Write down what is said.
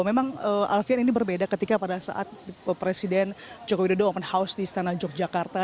memang alfian ini berbeda ketika pada saat presiden joko widodo open house di istana yogyakarta